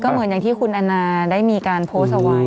เหมือนอย่างที่คุณแอนนาได้มีการโพสต์เอาไว้